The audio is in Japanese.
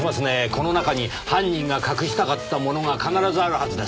この中に犯人が隠したかったものが必ずあるはずです。